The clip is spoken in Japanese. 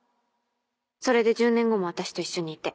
それで１０年後も私と一緒にいて